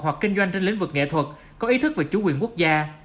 hoặc kinh doanh trên lĩnh vực nghệ thuật có ý thức về chủ quyền quốc gia